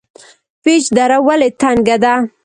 پیج دره ولې تنګه ده؟